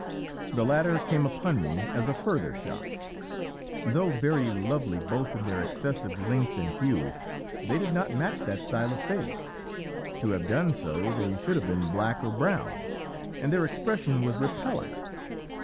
"The latter came upon me as a further shock. Though very lovely both in their excessive length and hue, they did not match that style of face; to have done so they should have been black or brown and their expression was repellent.